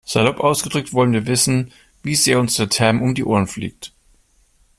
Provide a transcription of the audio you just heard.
Salopp ausgedrückt wollen wir wissen, wie sehr uns der Term um die Ohren fliegt.